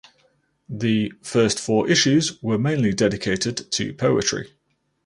The first four issues were mainly dedicated to poetry.